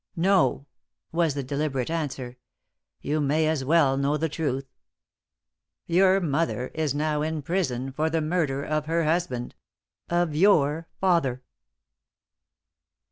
"No," was the deliberate answer. "You may as well know the truth. Your mother is now in prison for the murder of her husband of your father!"